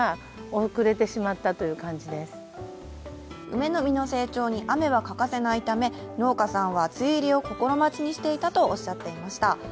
梅の実の成長に雨は欠かせないため、農家さんは梅雨入りを心待ちにしていたとおっしゃっていました。